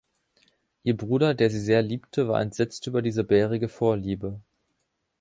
Ihr Bruder, der sie sehr liebte, war entsetzt über diese bärige Vorliebe.